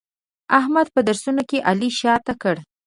احمد په درسونو کې علي شاته کړ.